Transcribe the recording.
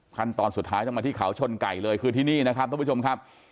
ขั้นตอนสุดท้ายต้องมาที่เขาชนไก่เลยคือที่นี่นะครับท่านผู้ชมครับ